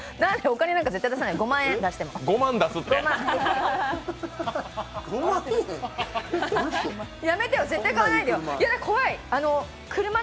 お金なんか絶対出さない５万、出すなら５万。